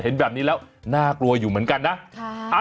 เห็นแบบนี้แล้วน่ากลัวอยู่เหมือนกันนะ